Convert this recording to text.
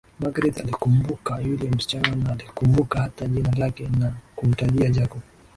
Magreth alimkumbuka yule msichana na alikumbuka hata jina lake na kumtajia Jacob